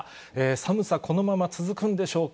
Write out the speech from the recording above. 寒さこのまま続くんでしょうか。